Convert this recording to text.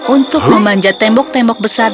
untuk memanjat tembok tembok besar